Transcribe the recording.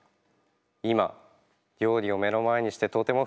今料理を目の前にしてとても不安になっております。